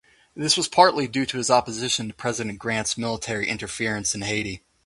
This was partly due to his opposition to President Grant's military interference in Haiti.